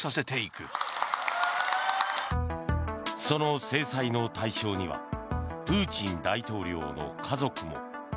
その制裁の対象にはプーチン大統領の家族も。